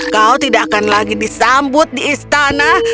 kau tidak akan lagi disambut di istana